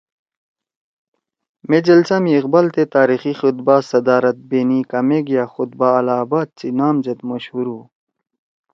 مے جلسہ می اقبال تے تاریخی خطبہ صدارت بینی کامِک یأ خطبہ الہٰ آباد سی نام زید مشہور ہُو